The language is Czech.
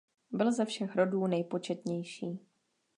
Byl ze všech rodů nejpočetnější.